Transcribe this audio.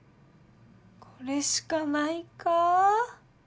これしかないか？